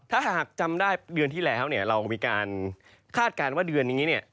ถ้าหากจำได้เดือนที่แล้วเนี่ยเรามีการคาดการณ์ว่าเดือนนี้เนี่ย